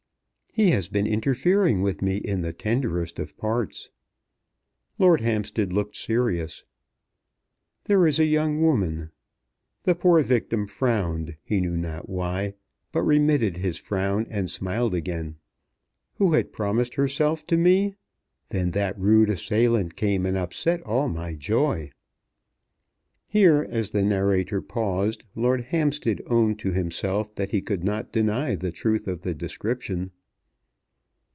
"He has been interfering with me in the tenderest of parts." Lord Hampstead looked serious. "There is a young woman" the poor victim frowned, he knew not why; but remitted his frown and smiled again; "who had promised herself to me. Then that rude assailant came and upset all my joy." Here, as the narrator paused, Lord Hampstead owned to himself that he could not deny the truth of the description.